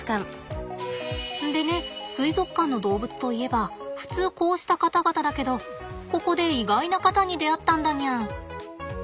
でね水族館の動物といえば普通こうした方々だけどここで意外な方に出会ったんだにゃん。